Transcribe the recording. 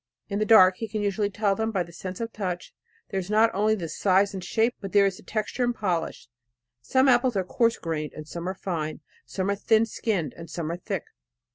In the dark he can usually tell them by the sense of touch. There is not only the size and shape, but there is the texture and polish. Some apples are coarse grained and some are fine; some are thin skinned and some are thick.